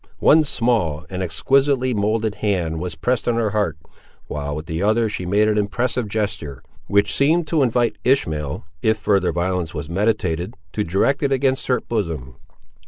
One small and exquisitely moulded hand was pressed on her heart, while with the other she made an impressive gesture, which seemed to invite Ishmael, if further violence was meditated, to direct it against her bosom.